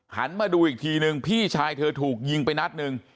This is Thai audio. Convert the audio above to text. หันมาดูอีกทีนึงพี่ชายเธอถูกยิงไปนัดหนึ่ง